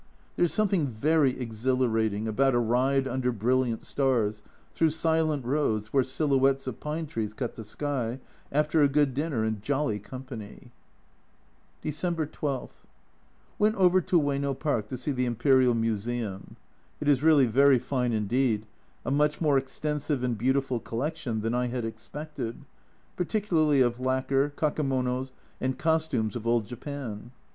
There is something very exhilarating about a ride under brilliant stars, through silent roads where silhouettes of pine trees cut the sky after a good dinner and jolly company. December 12. Went over to Oyeno Park to see the Imperial Museum. It is really very fine indeed, a much more extensive and beautiful collection than I had expected, particularly of lacquer, kakemonos, and costumes of old Japan.